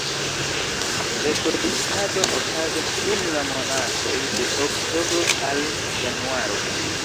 Reproduktado okazas dum la monatoj de oktobro al januaro.